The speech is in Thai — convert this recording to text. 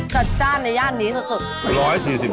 จัดจ้านในย่านนี้สุด